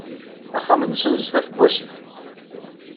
Axxam-nsen sdat n wasif.